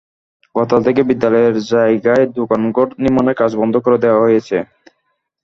গতকাল থেকে বিদ্যালয়ের জায়গায় দোকানঘর নির্মাণের কাজ বন্ধ করে দেওয়া হয়েছে।